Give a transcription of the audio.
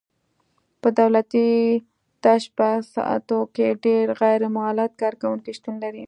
په دولتي تشبثاتو کې ډېر غیر مولد کارکوونکي شتون لري.